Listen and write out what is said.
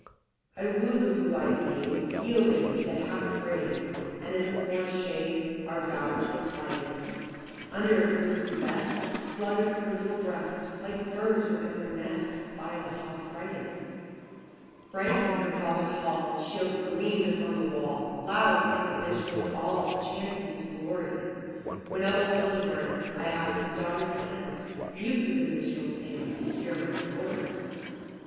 "I wooed the blue eyed maid, Yielding, yet half afraid, And in the forest's shade Our vows were plighted. Under its loosened vest Fluttered her little breast, Like birds within their nest By the hawk frighted. "Bright in her father's hall Shields gleamed upon the wall, Loud sang the minstrels all, Chanting his glory; When of old Hildebrand I asked his daughter's hand, Mute did the minstrels stand To hear my story.